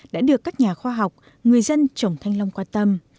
đã được các nhà khoa học người dân trồng thanh long quan tâm